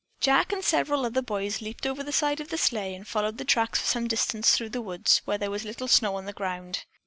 Jack and several other boys leaped over the side of the sleigh and followed the tracks for some distance through the woods where there was little snow on the ground.